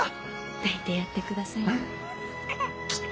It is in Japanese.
抱いてやってくださいな。